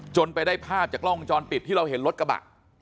ไปได้ภาพจากกล้องวงจรปิดที่เราเห็นรถกระบะ